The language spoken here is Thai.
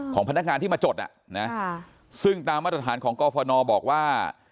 พนักงานที่มาจดอ่ะนะซึ่งตามมาตรฐานของกรฟนบอกว่า